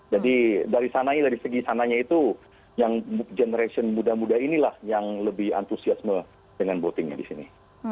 jadi dari segi sananya itu yang generation muda muda inilah yang lebih antusiasme dengan votingnya di sini